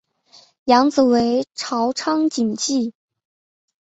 养子为朝仓景纪。